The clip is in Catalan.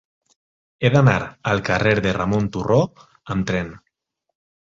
He d'anar al carrer de Ramon Turró amb tren.